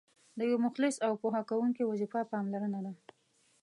د یو مخلص او پوه ښوونکي وظیفه پاملرنه ده.